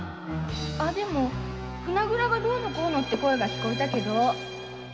でも船蔵がどうのこうのって聞こえたけど。